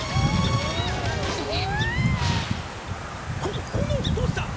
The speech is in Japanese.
ここの太さ！